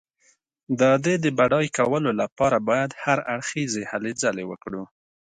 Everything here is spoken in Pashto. د دې د بډای کولو لپاره باید هر اړخیزې هلې ځلې وکړو.